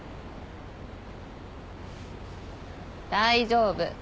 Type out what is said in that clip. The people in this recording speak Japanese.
大丈夫。